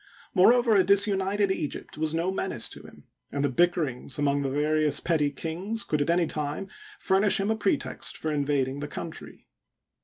Moreover, a disunited Egypt was no menace to him, and the bickerings among the various petty kings could at any time furnish him a pretext for invading the country.